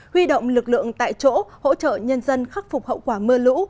huy động lực lượng tại chỗ hỗ trợ nhân dân khắc phục hậu quả mưa lũ